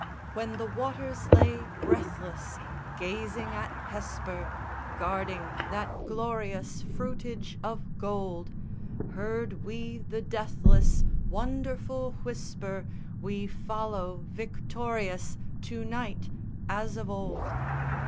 When the waters lay breathless Gazing at Hesper Guarding that glorious Fruitage of gold, Heard we the deathless Wonderful whisper We follow, victorious To night, as of old.